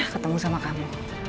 ketemu sama kamu